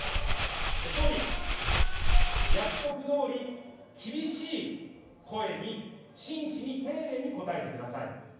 総理、約束どおり、厳しい声に真摯に、丁寧に答えてください。